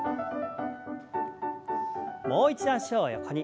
もう一度脚を横に。